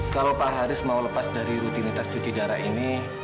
kalau pak haris mau lepas dari rutinitas cuci darah ini